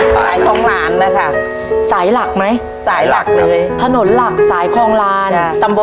ทับผลไม้เยอะเห็นยายบ่นบอกว่าเป็นยังไงครับ